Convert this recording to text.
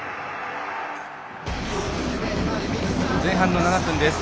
前半の７分です。